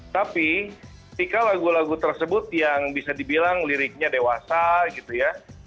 tapi ketika lagu lagu tersebut yang bisa dibilang liriknya dewasa gitu ya